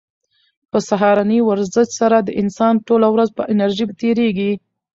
په سهارني ورزش سره د انسان ټوله ورځ په انرژۍ تېریږي.